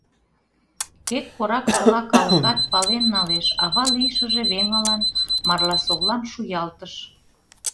Тек Кораксола калыкат пален налеш, — ава лийшыже веҥылан марласовлам шуялтыш.